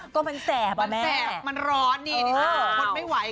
ก็มันแสบอ่ะแม่มันแสบมันร้อนนี่นี่สิคนไม่ไหว